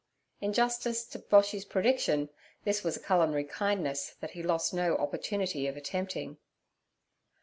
In justice to Boshy's prediction, this was a culinary kindness that he lost no opportunity of attempting.